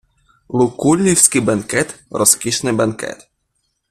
Лукуллівський бенкет - розкішний бенкет